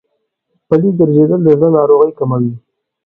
پلي ګرځېدل د زړه ناروغۍ کموي.